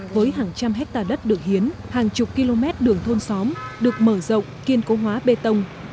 với hàng trăm hectare đất được hiến hàng chục km đường thôn xóm được mở rộng kiên cố hóa bê tông